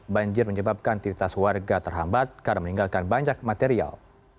banjir menyebabkan aktivitas warga terhambat karena meninggalkan banyak material